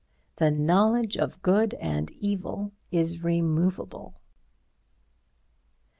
The knowledge of good and evil is removable."